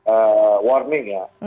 eh warming ya